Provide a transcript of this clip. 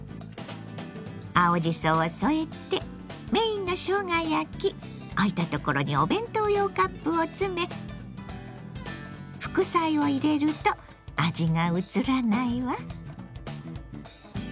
青じそを添えてメインのしょうが焼き空いたところにお弁当用カップを詰め副菜を入れると味が移らないわ。